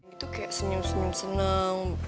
itu kayak senyum senyum senen